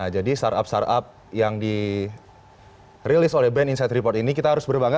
startup startup yang dirilis oleh band insight report ini kita harus berbangga